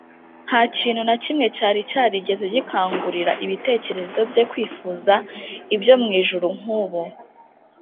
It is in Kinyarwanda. . Nta kintu na kimwe cyari cyarigeze gikangurira ibitekerezo bye kwifuza ibyo mw’ijuru nkubu